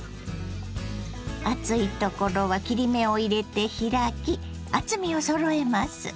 厚いところは切り目を入れて開き厚みをそろえます。